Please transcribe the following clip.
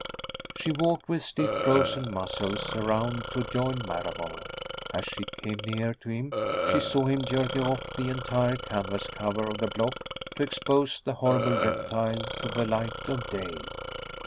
She walked, with stiff, frozen muscles, around to join Marable. As she came near to him, she saw him jerking off the entire canvas cover of the block to expose the horrible reptile to the light of day.